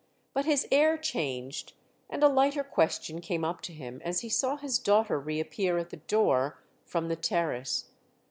But his air changed and a lighter question came up to him as he saw his daughter reappear at the door from the terrace.